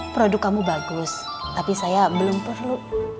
produk kamu bagus tapi saya belum perlu